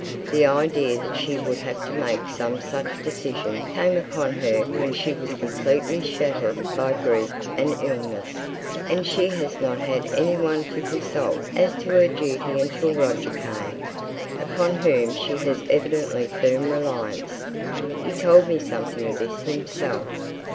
The idea that she would have to make some such decision came upon her when she was completely shattered by grief and illness, and she hasn't had any one to consult as to her duty until Roger came, upon whom she has evidently firm reliance. He told me something of this himself."